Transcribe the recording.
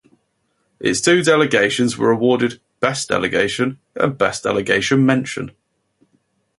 Its two delegations were awarded "Best delegation" and "Best delegation mention".